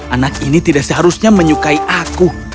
anak ini tidak seharusnya menyukai aku